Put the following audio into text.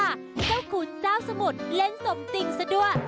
เจ้าคุณเจ้าสมุทรเล่นสมติงสะดวก